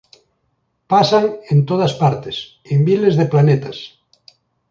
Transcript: pasan en todas partes, en miles de planetas.